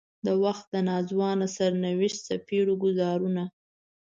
د وخت د ناځوانه سرنوشت څپېړو ګوزارونه.